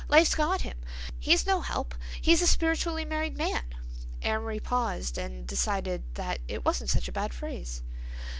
Life's got him! He's no help! He's a spiritually married man." Amory paused and decided that it wasn't such a bad phrase.